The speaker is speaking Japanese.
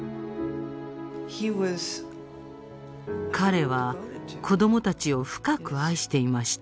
彼は子どもたちを深く愛していました。